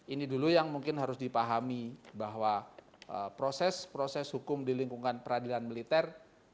ini dulu yang mungkin harus dipahami bahwa proses proses hukum di lingkungan peradilan militer